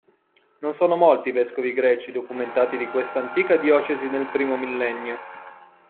Non sono molti i vescovi greci documentati di questa antica diocesi nel primo millennio.